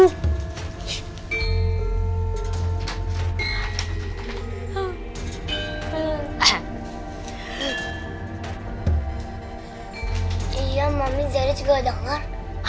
oh ya mami jadi juga dengar